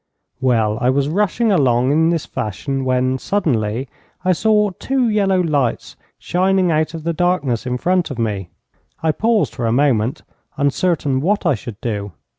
Well, I was rushing along in this fashion when, suddenly, I saw two yellow lights shining out of the darkness in front of me. I paused for a moment, uncertain what I should do.